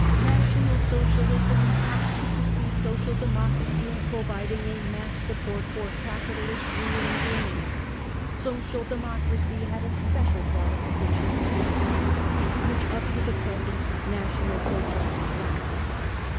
u . National Socialism has to succeed Social Democracy in providing a mass support for capitalist rule in Germany. ,.. Social Democracy had a special qualification for this task, which up to the present National Socialism lacks.